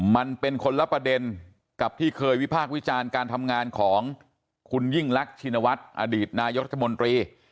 มันเป็นคนละปเดนกับที่เคยวิภากวิจารณ์การทำงานของคุณยิ่งลักษณวัตรอดีตนายชมนตรี